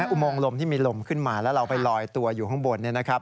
อุโมงลมที่มีลมขึ้นมาแล้วเราไปลอยตัวอยู่ข้างบน